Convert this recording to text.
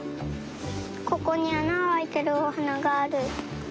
ここにあながあいてるおはながある。